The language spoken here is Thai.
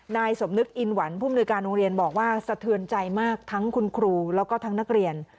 นายสมนึกอินหวันผู้มนุยการโรงเรียนบอกว่าสะเทือนใจมากทั้งคุณครูแล้วก็ทั้งนักเรียน